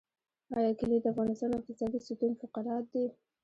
آیا کلي د افغانستان اقتصادي ستون فقرات دي؟